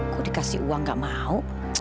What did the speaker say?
kok dikasih uang gak mau